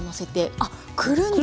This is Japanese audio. あっくるんで。